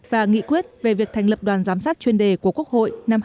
và nghị quyết về việc thành lập đoàn giám sát chuyên đề của quốc hội năm hai nghìn hai mươi